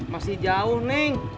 masih jauh neng